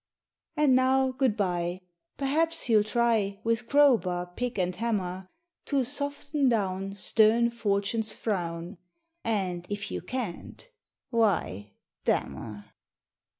And now, good bye, perhaps you'll try With crowbar, pick, and hammer, To soften down stern Fortune's frown, And if you can't, why, d r.